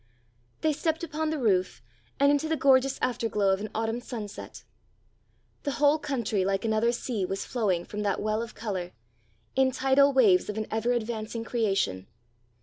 They stepped upon the roof and into the gorgeous afterglow of an autumn sunset. The whole country, like another sea, was flowing from that well of colour, in tidal waves of an ever advancing creation.